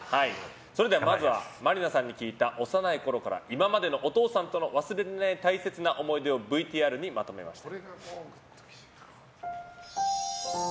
それでは、真里奈さんに聞いた幼いころからお父さんとの忘れられない大切な思い出をＶＴＲにまとめました。